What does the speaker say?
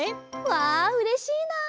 わあうれしいなあ！